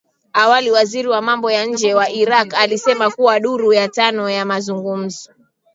Awali waziri wa mambo ya nje wa Iraq alisema kuwa duru ya tano ya mazungumzo